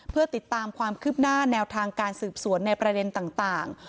เพื่อติดตามความคืบหน้าแนวทางการสืบสวนในประเด็นต่าง